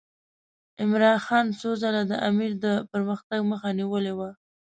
عمرا خان څو ځله د امیر د پرمختګ مخه نیولې وه.